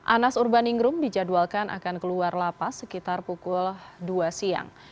anas urbaningrum dijadwalkan akan keluar lapas sekitar pukul dua siang